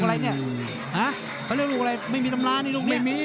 ลูกอะไรเนี่ย